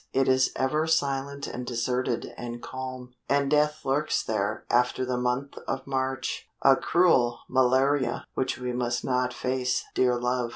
It is ever silent and deserted and calm, and death lurks there after the month of March. A cruel malaria, which we must not face, dear love.